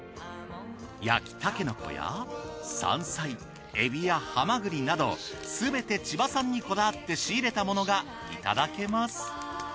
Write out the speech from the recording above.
焼きタケノコや山菜エビやハマグリなどすべて千葉産にこだわって仕入れたものがいただけます。